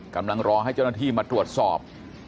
กำลังรอให้เจ้าหน้าที่มาตรวจสอบ